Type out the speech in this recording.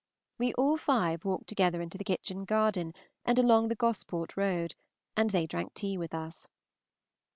We all five walked together into the kitchen garden and along the Gosport road, and they drank tea with us.